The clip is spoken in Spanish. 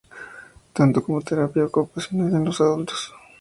Tanto como terapia ocupacional en los adultos.